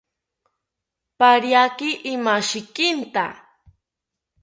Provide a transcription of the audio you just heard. Pariaki imashikinta